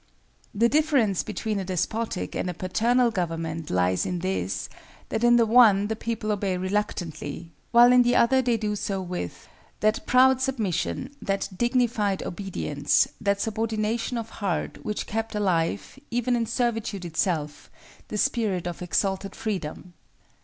The difference between a despotic and a paternal government lies in this, that in the one the people obey reluctantly, while in the other they do so with "that proud submission, that dignified obedience, that subordination of heart which kept alive, even in servitude itself, the spirit of exalted freedom."